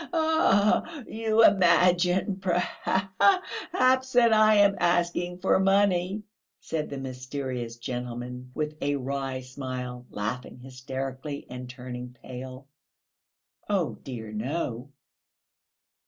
"You imagine, perhaps, that I am asking for money," said the mysterious gentleman, with a wry smile, laughing hysterically and turning pale. "Oh, dear, no."